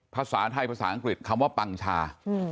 ภาษาไทยภาษาอังกฤษคำว่าปังชา